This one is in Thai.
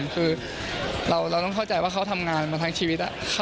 คือเราต้องเข้าใจว่าเขาทำงานมาทั้งชีวิต